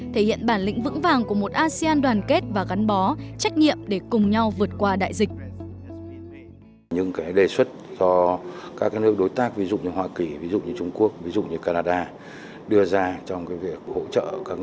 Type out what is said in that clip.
thể hiện bản lĩnh vững vàng của một asean đoàn kết và gắn bó trách nhiệm để cùng nhau vượt qua đại dịch